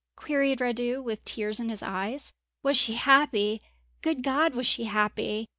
queried Radu, with tears in his eyes. "Was she happy! Good God! was she happy!"